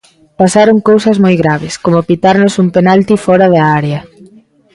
Pasaron cousas moi graves, como pitarnos un penalti fóra da área.